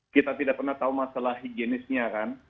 kita tidak pernah tahu masalah higienisnya kan